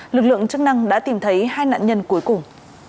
lực lượng chức năng đã tìm thấy hai nạn nhân cuối cùng